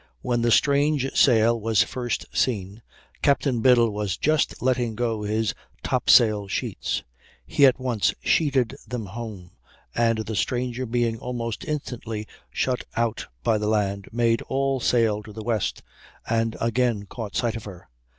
] When the strange sail was first seen Captain Biddle was just letting go his top sail sheets; he at once sheeted them home, and the stranger being almost instantly shut out by the land, made all sail to the west, and again caught sight of her.